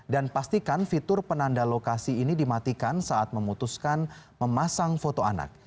dan pastikan fitur penanda lokasi ini dimatikan saat memutuskan memasang foto anak